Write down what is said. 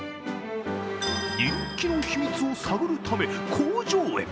人気の秘密を探るため工場へ。